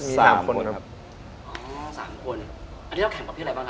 อันนี้จะแข่งกับที่ไหนบ้างครับ